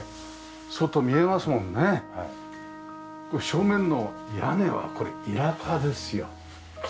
正面の屋根はこれ甍ですよ。